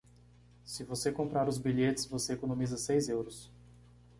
Se você comprar os bilhetes você economiza seis euros.